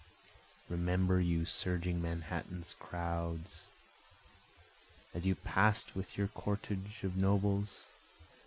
(Remember you surging Manhattan's crowds as you pass'd with your cortege of nobles?